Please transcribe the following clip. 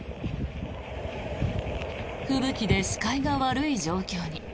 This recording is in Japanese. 吹雪で視界が悪い状況に。